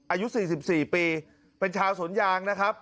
อายุ๔๔ปีเป็นชาวสวนยางนะครับ